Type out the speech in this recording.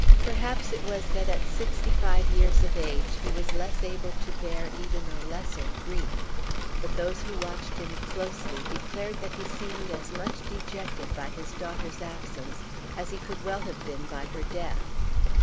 Perhaps it was that at sixty five years of age he was less able to bear even a lesser grief; but those who watched him closely declared that he seemed as much dejected by his daughter's absence as he could well have been by her death.